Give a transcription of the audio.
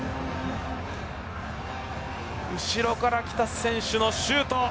後ろから来た選手のシュート。